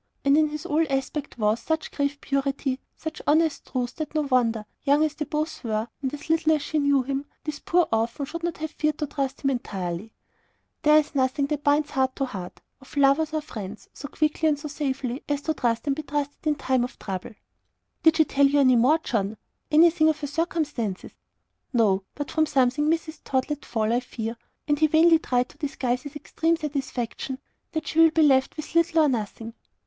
And in his whole aspect was such grave purity, such honest truth, that no wonder, young as they both were, and little as she knew of him, this poor orphan should not have feared to trust him entirely. And there is nothing that binds heart to heart, of lovers or friends, so quickly and so safely, as to trust and be trusted in time of trouble. "Did she tell you any more, John? Anything of her circumstances?" "No. But from something Mrs. Tod let fall, I fear" and he vainly tried to disguise his extreme satisfaction "that she will be left with little or nothing."